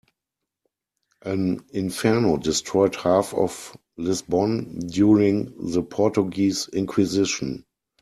An inferno destroyed half of Lisbon during the Portuguese inquisition.